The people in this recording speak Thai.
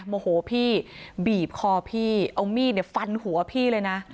โมโหพี่บีบคอพี่เอามีดฟันหัวพี่เลยนะ